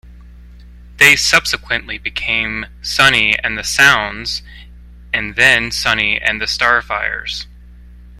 They subsequently became Sonny and The Sounds and then Sonny and The Starfires.